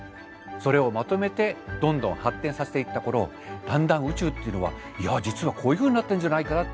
それをまとめてどんどん発展させていった頃だんだん宇宙っていうのはいや実はこういうふうになってるんじゃないかな。